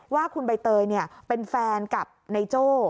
ว่าคุณใบเตยเป็นแฟนกับนายโจ้